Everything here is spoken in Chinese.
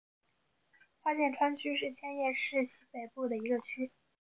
花见川区是千叶市西北部的一个区。